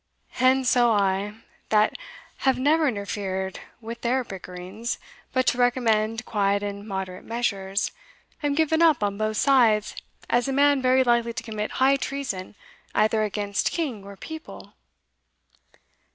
And so I, that have never interfered with their bickerings, but to recommend quiet and moderate measures, am given up on both sides as a man very likely to commit high treason, either against King or People?